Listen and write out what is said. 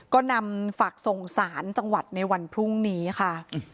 ก็นำฝากส่งสารจังหวัดในวันพรุ่งนี้ค่ะ